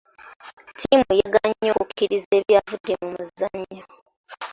Ttiimu yagaanye okukkiriza ebyavudde mu muzannyo.